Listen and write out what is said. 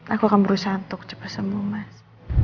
aku akan berusaha untuk cepat sembuh mas